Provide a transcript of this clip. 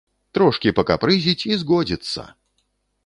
Трошкі пакапрызіць і згодзіцца!